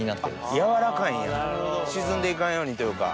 やわらかいんや沈んでいかんようにというか。